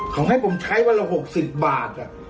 เขาให้ผมใช้วันละหกสิบบาทอ่ะ